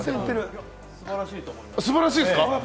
素晴らしいですか？